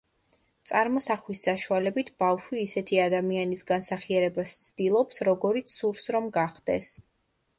წარმოსახვის საშუალებით ბავშვი ისეთი ადამიანის განსახიერებას ცდილობს, როგორიც სურს, რომ გახდეს.